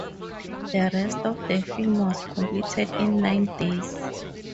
The rest of the film was completed in nine days.